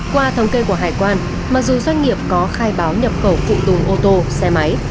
qua thống kê của hải quan mặc dù doanh nghiệp có khai báo nhập khẩu phụ tùng ô tô xe máy